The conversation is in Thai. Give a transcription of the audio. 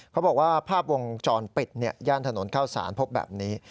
เขาบอกว่าภาพวงจรปิดย่านถนนเข้าสารพบแบบนี้